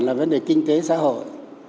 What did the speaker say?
là vấn đề kinh tế xã hội